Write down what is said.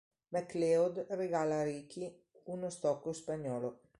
MacLeod regala a Richie uno Stocco spagnolo.